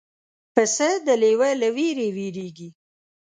پسه د لیوه له وېرې وېرېږي.